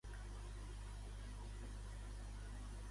Què la va dur a fer Testimonio de la Memoria?